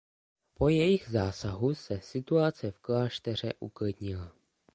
Po jejich zásahu se situace v klášteře uklidnila.